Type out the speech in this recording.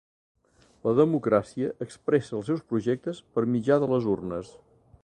La democràcia expressa els seus projectes per mitjà de les urnes.